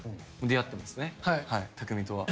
出会ってますね匠海とは。